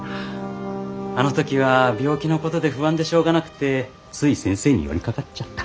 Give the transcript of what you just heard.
あの時は病気のことで不安でしょうがなくてつい先生に寄りかかっちゃった。